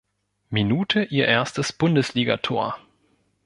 Minute ihr erstes Bundesligator.